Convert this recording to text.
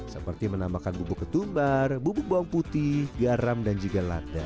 seperti menambahkan bubuk ketumbar bubuk bawang putih garam dan juga lada